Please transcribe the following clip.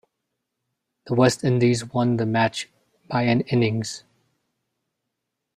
The West Indies won the match by an innings.